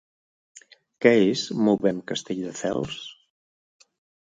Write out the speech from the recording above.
Què és Movem Castelldefels?